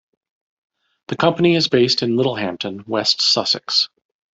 The company is based in Littlehampton, West Sussex.